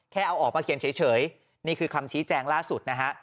แค่เอาออกมาเขียนเฉยนี่คือคำชี้แจงล่าสุดนะฮะ